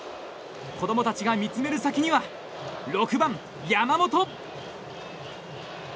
子供たちが見つめる先には６番、山本。